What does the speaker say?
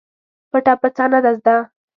پټه پڅه نه ده زده.